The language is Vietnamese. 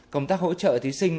công tác hỗ trợ thí sinh